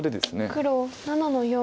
黒７の四。